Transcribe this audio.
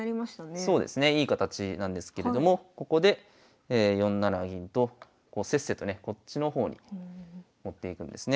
そうですねいい形なんですけれどもここで４七銀とせっせとねこっちの方に持っていくんですね。